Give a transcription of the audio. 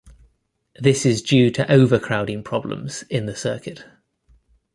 This is due to overcrowding problems in the circuit.